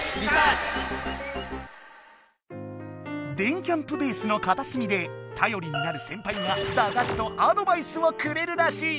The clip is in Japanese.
電キャんぷベースのかたすみでたよりになるセンパイがだがしとアドバイスをくれるらしい。